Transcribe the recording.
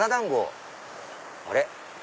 あれ？